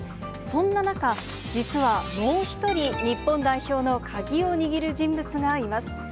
そんな中、実はもう一人、日本代表の鍵を握る人物がいます。